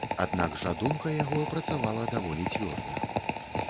Аднак жа думка яго працавала даволі цвёрда.